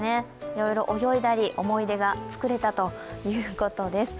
いろいろ泳いだり、思い出が作れたということです。